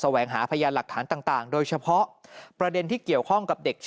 สว่างหาพญานหลักฐานต่างโดยเฉพาะประเด็น